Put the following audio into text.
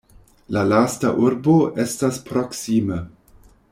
La lasta urbo estas proksime.